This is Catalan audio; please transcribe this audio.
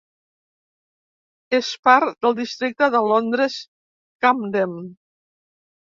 És part del Districte de Londres Camden.